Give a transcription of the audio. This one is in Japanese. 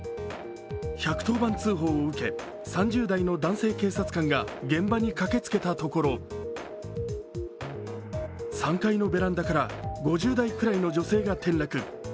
１１０番通報を受け、３０代の男性警察官が現場に駆けつけたところ３階のベランダから５０代くらいの女性が転落。